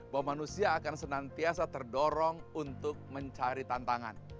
bahwa manusia akan senantiasa terdorong untuk mencari tantangan